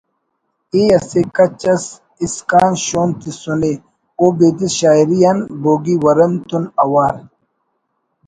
ءِ اسہ کچ اس اسکان شون تسنے او بیدس شاعری آن بوگی ورند تون اوار